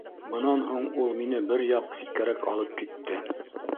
Бынан һуң ул мине бер яҡ ситкәрәк алып китте: